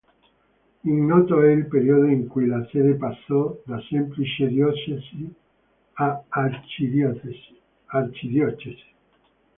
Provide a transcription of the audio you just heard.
Ignoto è il periodo in cui la sede passò da semplice diocesi ad arcidiocesi.